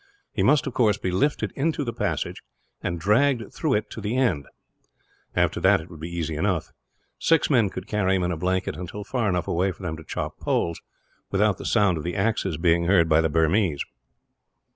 He must, of course, be lifted into the passage, and dragged through it to the end; after that, it would be easy enough. Six men could carry him, in a blanket, until far enough away for them to chop poles, without the sound of the axes being heard by the Burmese.